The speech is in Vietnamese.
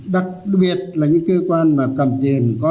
đặc biệt là những cơ quan mà cầm tiền